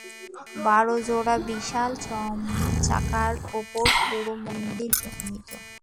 বারো জোড়া বিশাল চাকার ওপর পুরো মন্দিরটি নির্মিত।